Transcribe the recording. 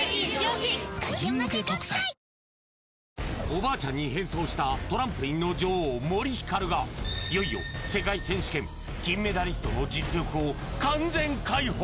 おばあちゃんに変装したトランポリンの女王森ひかるがいよいよ世界選手権金メダリストの実力を完全解放！